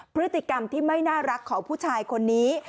พฤติกรรมที่ไม่น่ารักของผู้ชายคนนี้